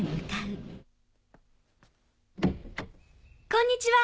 こんにちは。